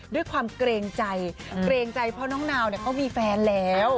ด้วยความเกรงใจเกรงใจเพราะน้องนาวเขามีแฟนแล้ว